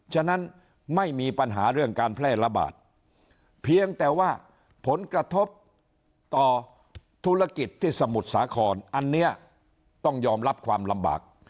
ฉะนั้นไม่มีปัญหาเรื่องการแพร่ระบาดเพียงแต่ว่าผลกระทบต่อธุรกิจที่สมุทรสาครอันนี้ต้องยอมรับความลำบาก